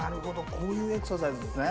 こういうエクササイズですね。